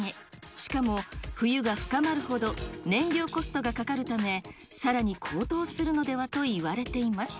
しかも冬が深まるほど、燃料コストがかかるため、さらに高騰するのではといわれています。